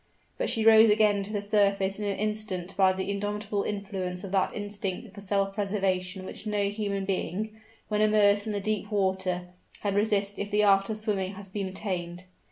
But she rose again to the surface in an instant by the indomitable influence of that instinct for self preservation which no human being, when immersed in the deep water, can resist if the art of swimming has been attained.